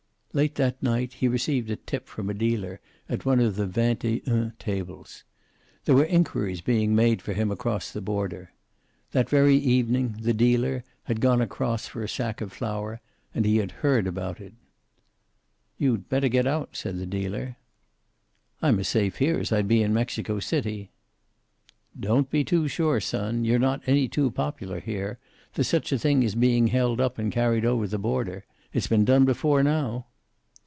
Late that night he received a tip from a dealer at one of vingt et un tables. There were inquiries being made for him across the border. That very evening he, the dealer, had gone across for a sack of flour, and he had heard about it. "You'd better get out," said the dealer. "I'm as safe here as I'd be in Mexico City." "Don't be too sure, son. You're not any too popular here. There's such a thing as being held up and carried over the border. It's been done before now."